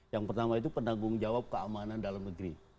yang pertama itu penanggung jawab keamanan dalam negeri